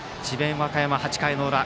和歌山、８回の裏。